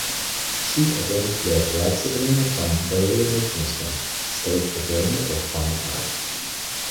She attended the "Rijksakademie van beeldende kunsten" (State Academy of Fine Arts).